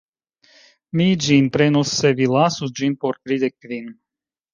Mi ĝin prenus se vi lasus ĝin por tridek kvin.